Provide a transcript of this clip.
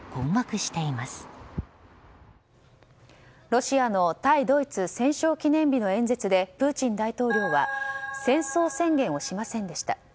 ロシアの対ドイツ戦勝記念日の演説でプーチン大統領は戦争宣言をしませんでした。